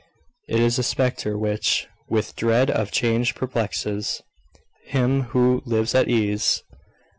It is a spectre which "with dread of change perplexes" him who lives at ease.